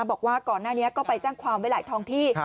บอกว่าก่อนหน้านี้ก็ไปแจ้งความไว้หลายทองที่